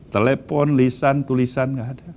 telepon lisan tulisan nggak ada